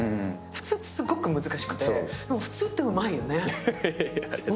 普通ってすごく難しくて、でも普通ってうまいよね。